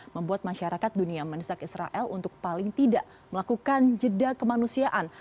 membuat masyarakat dunia mendesak israel untuk paling tidak melakukan jeda kemanusiaan